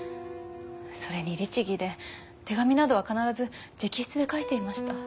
それに律儀で手紙などは必ず直筆で書いていました。